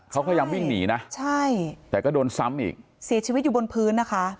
เขาพยายามวิ่งหนีนะใช่แต่ก็โดนซ้ำอีกเสียชีวิตอยู่บนพื้นนะคะ